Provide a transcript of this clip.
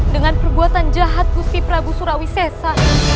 dengan perbuatan jahat gusti prabu surawi sesa